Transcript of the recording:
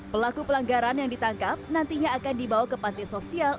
pelaku pelanggaran yang ditangkap nantinya akan dibawa ke panti sosial